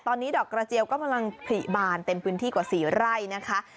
ตอนนี้ดอกกระเจียวก็กำลังผลิบานเต็มพื้นที่กว่า๔ไร่นะคะ